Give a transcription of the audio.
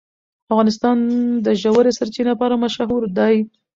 افغانستان د ژورې سرچینې لپاره مشهور دی.